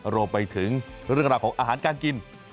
รวมไปถึงเรื่องราวของอาหารการกิน